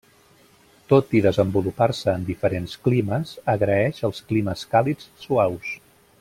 Tot i desenvolupar-se en diferents climes, agraeix els climes càlids i suaus.